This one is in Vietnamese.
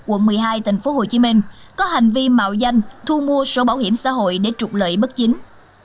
quận một mươi hai tp hcm có hành vi mạo danh thu mua sổ bảo hiểm xã hội để trục lợi bất chính